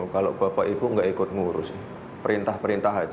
kalau bapak ibu gak ikut ngurus perintah perintah aja